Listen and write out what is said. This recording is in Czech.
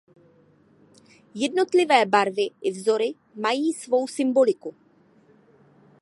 Jednotlivé barvy i vzory mají svou symboliku.